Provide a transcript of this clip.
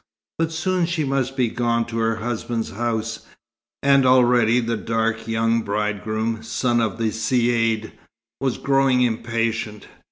But soon she must be gone to her husband's house, and already the dark young bridegroom, son of the Caïd, was growing impatient.